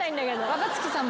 若槻さん